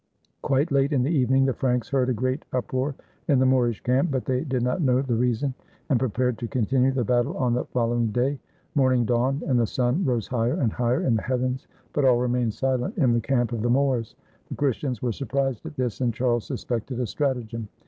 Quite late in the evening the Franks heard a great up roar in the Moorish camp, but they did not know the rea son, and prepared to continue the battle on the follow ing day. Morning dawned and the sun rose higher and higher in the heavens, but all remained silent in the camp of the Moors. The Christians were surprised at this, and Charles suspected a stratagem.